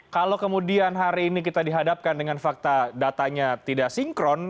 kalau kemudian hari ini kita dihadapkan dengan fakta datanya tidak sinkron